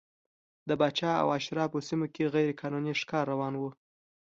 د پاچا او اشرافو سیمو کې غیر قانوني ښکار روان و.